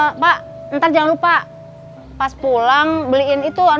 ya pak ntar jangan lupa pas pulang beliin itu